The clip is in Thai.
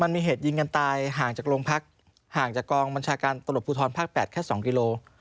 มันมีเหตุยิงกันตายห่างจากโรงพรคหางจากกองบัญชาการตลอดภูทรภาค๘แค่สองกิโล